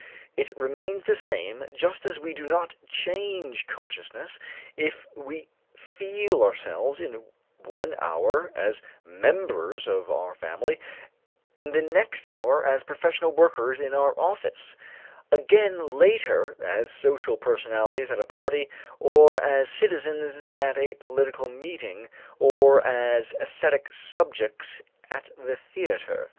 It remains the same, just as we do not change consciousness if we feel ourselves in one hour as members of our family, in the next hour as professional workers in our office, again later as social personalities at a party or as citizens at a political meeting or as æsthetic subjects at the theater.